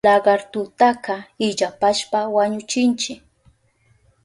Lagartutaka illapashpa wañuchinchi.